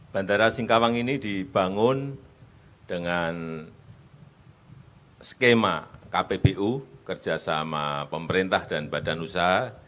bandara singkawang ini dibangun dengan skema kpbu kerjasama pemerintah dan badan usaha